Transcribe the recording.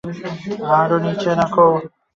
আরে নিচে রাখো।